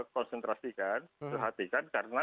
konsentrasikan perhatikan karena